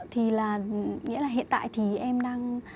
thì là nghĩa là hiện tại thì em đang